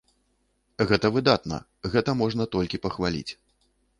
Гэта выдатна, гэта можна толькі пахваліць.